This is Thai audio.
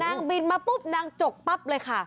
บินมาปุ๊บนางจกปั๊บเลยค่ะ